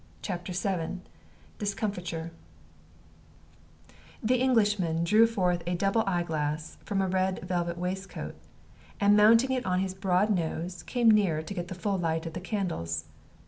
CHAPTER VII DISCOMFITURE The Englishman drew forth a double eyeglass from a red velvet waistcoat, and mounting it on his broad nose, came nearer to get the full light of the candles.